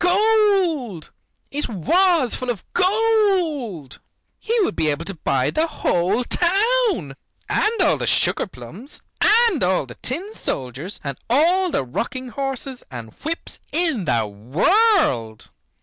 Gold! It was full of gold. He would be able to buy the whole town, and all the sugar plums, and all the tin soldiers, and all the rocking horses and whips in the world.